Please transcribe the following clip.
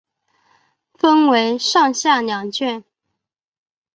分为上下两卷。